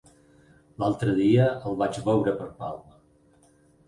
L'altre dia el vaig veure per Palma.